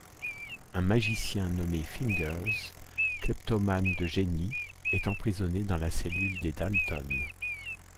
Un magicien nommé Fingers, kleptomane de génie, est emprisonné dans la cellule des Dalton.